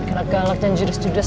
cetak galaknya judes judes lah